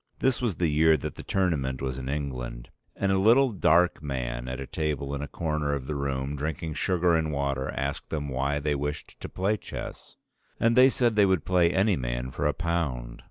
This was the year that the Tournament was in England. And a little dark man at a table in a corner of the room, drinking sugar and water, asked them why they wished to play chess; and they said they would play any man for a pound.